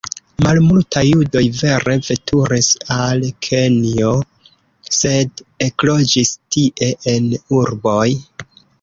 Malmultaj judoj vere veturis al Kenjo, sed ekloĝis tie en urboj.